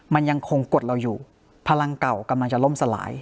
มันยังคงกดเราอยู่พลังเก่ากำลังจะล่มสลาย